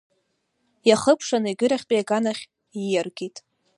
Иахыкәшаны егьырахьтәи аганахь ииаргеит.